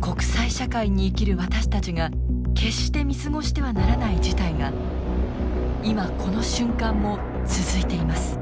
国際社会に生きる私たちが決して見過ごしてはならない事態が今この瞬間も続いています。